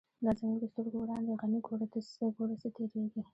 دا زمونږ د سترگو وړاندی «غنی» گوره څه تیریږی